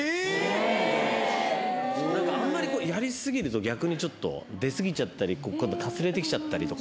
やり過ぎると逆にちょっと出過ぎちゃったりかすれてきちゃったりとか。